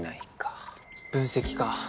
分析か。